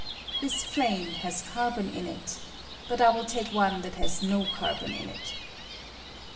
This flame has carbon in it ; but I will take one that has no carbon in it.